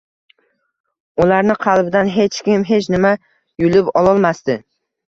Ularni qalbidan hech kim, hech nima yulib ololmasdi...